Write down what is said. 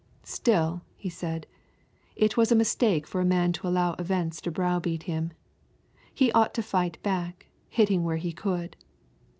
Still, he said, it was a mistake for a man to allow events to browbeat him. He ought to fight back, hitting where he could.